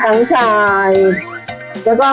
พริกแค่นี้ค่ะพริกแค่นี้ค่ะ